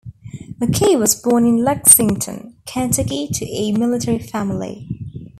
McKee was born in Lexington, Kentucky to a military family.